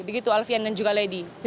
begitu alfian dan juga lady